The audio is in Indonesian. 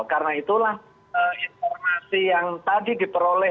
karena itulah informasi yang tadi diperoleh